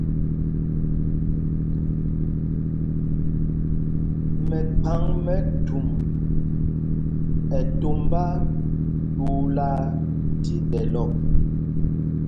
Mɛkphaŋmɛtum ɛ tombá ɗuulaa tí ɗɛ́l ɔ.